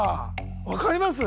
分かります？